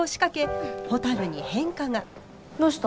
どうした？